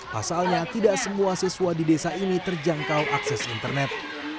pasalnya tidak semua siswa di desa ini terjangkau akses internet